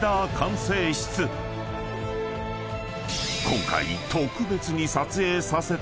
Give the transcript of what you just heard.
［今回］